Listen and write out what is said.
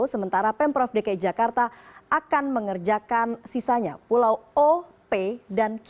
sementara pemprov dki jakarta akan mengerjakan sisanya pulau o p dan c